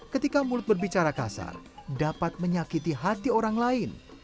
ketika mulut berbicara kasar dapat menyakiti hati orang lain